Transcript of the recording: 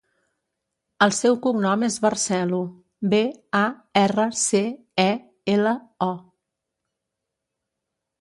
El seu cognom és Barcelo: be, a, erra, ce, e, ela, o.